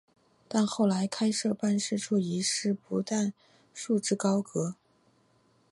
但后来开设办事处一事不但束之高阁。